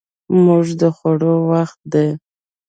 زموږ د خوړو وخت دی